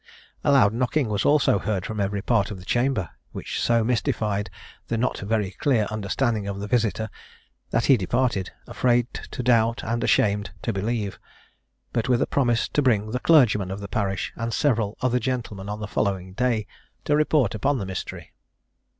A loud knocking was also heard from every part of the chamber, which so mystified the not very clear understanding of the visiter, that he departed, afraid to doubt and ashamed to believe, but with a promise to bring the clergyman of the parish and several other gentlemen on the following day, to report upon the mystery.